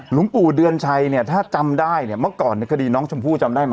หลวงปู่เดือนชัยเนี่ยถ้าจำได้เนี่ยเมื่อก่อนในคดีน้องชมพู่จำได้ไหม